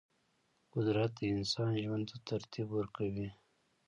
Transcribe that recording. قدرت د انسان ژوند ته ترتیب ورکوي.